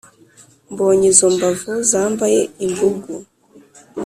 Mbonye izo mbavu zambaye imbugu